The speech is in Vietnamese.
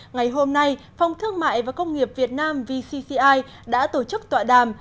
ngày hôm nay phòng thương mại và công nghiệp việt nam vcci đã tổ chức tọa đàm